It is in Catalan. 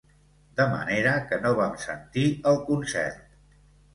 De manera que no vam sentir el concert.